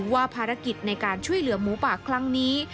ว่าภารกิจในการช่วยเหลือหมูป่าครั้งนี้